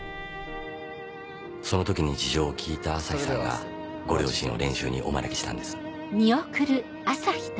その時に事情を聞いた朝陽さんがご両親を練習にお招きしたんです。